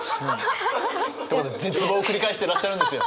絶望を繰り返してらっしゃるんですよ。